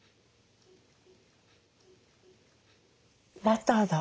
バターだ。